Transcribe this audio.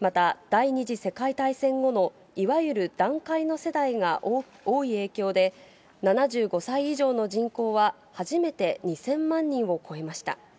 また第２次世界大戦後のいわゆる団塊の世代が多い影響で、７５歳以上の人口は初めて２０００万人を超えました。